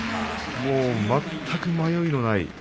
全く迷いない。